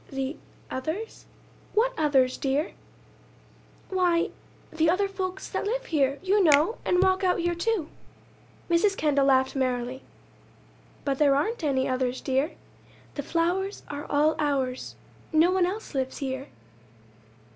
"The 'others'? What others, dear?" "Why, the other folks that live here, you know, and walk out here, too." Mrs. Kendall laughed merrily. "But there aren't any others, dear. The flowers are all ours. No one else lives here."